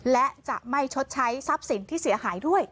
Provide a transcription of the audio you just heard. และจะไม่ชดใช้ทรัพย์สินที่เสียหายด้วย